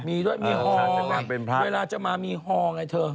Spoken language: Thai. มีด้วยมีฮอล์ไงเวลาจะมามีฮอล์ไงเธอ